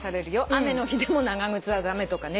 雨の日でも長靴は駄目とかね。